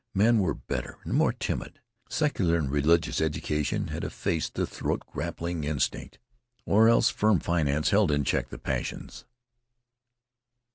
Men were better, or more timid. Secular and religious education had effaced the throat grappling instinct, or else firm finance held in check the passions.